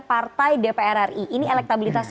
partai dpr ri ini elektabilitas